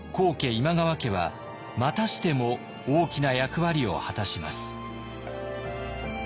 今川家はまたしても大きな役割を果たします。